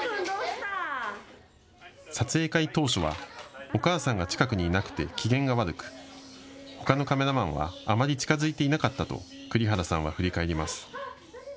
撮影会当初はお母さんが近くにいなくて機嫌が悪くほかのカメラマンはあまり近づいていなかったと栗原さんは振り返ります。